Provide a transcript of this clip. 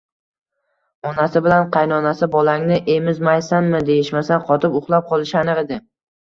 Onasi bilan qaynonasi bolangni emizmaysanmi deyishmasa, qotib uxlab qolishi aniq edi